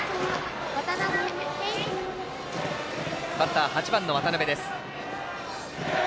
バッター、８番の渡辺です。